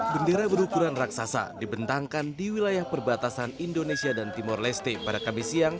bendera berukuran raksasa dibentangkan di wilayah perbatasan indonesia dan timur leste pada kamis siang